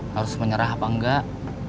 harus menyerah apa enggak